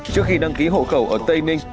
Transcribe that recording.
trước khi đăng ký hộ khẩu ở tây ninh